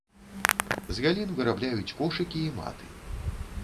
З галін вырабляюць кошыкі і маты.